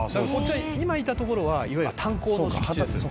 今いた所はいわゆる炭鉱の敷地です」